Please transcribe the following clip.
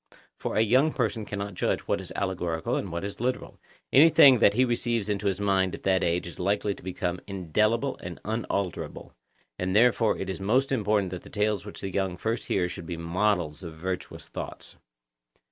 For a young person cannot judge what is allegorical and what is literal; anything that he receives into his mind at that age is likely to become indelible and unalterable; and therefore it is most important that the tales which the young first hear should be models of virtuous thoughts.